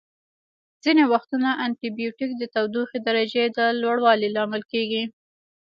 ځینې وختونه انټي بیوټیک د تودوخې درجې د لوړوالي لامل کیږي.